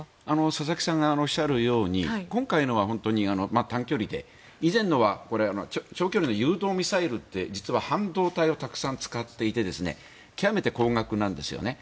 佐々木さんがおっしゃるように今回のは短距離で以前のは長距離の誘導ミサイルって半導体をたくさん使っていて極めて高額なんですよね。